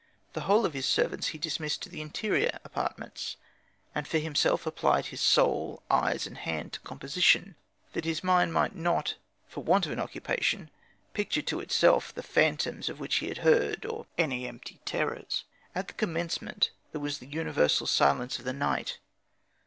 The whole of his servants he dismissed to the interior apartments, and for himself applied his soul, eyes, and hand to composition, that his mind might not, from want of occupation, picture to itself the phantoms of which he had heard, or any empty terrors. At the commencement there was the universal silence of night.